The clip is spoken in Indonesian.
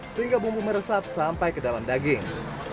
sehingga bumbu meresap sampai ke dalam daging